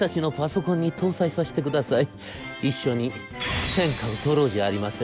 一緒に天下を取ろうじゃありませんか』。